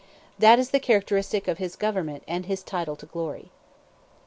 That is the characteristic of his government and his title to glory.